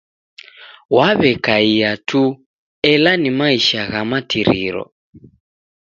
Waw'ekaia tu ela ni maisha gha matiriro.